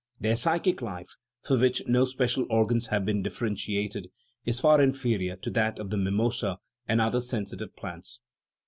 Their psychic life for which no special organs have been differentiated is far inferior to that of the mi mosa and other sensitive plants.